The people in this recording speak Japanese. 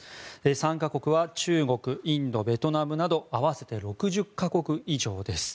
参加国は中国、インドベトナムなど合わせて６０か国以上です。